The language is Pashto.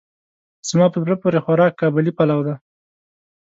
زما په زړه پورې خوراک قابلي پلو دی.